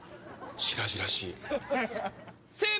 白々しい。